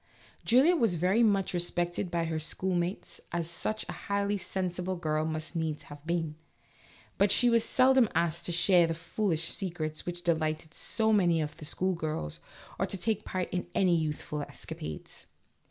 Julia was very much respected by her schoolmates, as such a highly sensible girl must needs have been, but she was seldom asked to share the foolish secrets which delighted so many of the schoolgirls, or to take part in any youthful escapades.